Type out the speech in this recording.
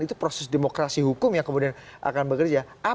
itu proses demokrasi hukum yang kemudian akan bekerja